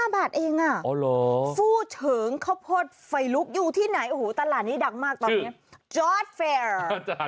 ๒๕บาทเองอ่ะฟูเฉิงข้าวโพดไฟลุกอยู่ที่ไหนอู๋ตลาดนี้ดักมากตอนนี้